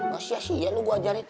pasti masti ya lo gue ajarin